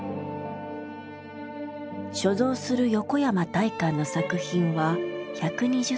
所蔵する横山大観の作品は１２０点。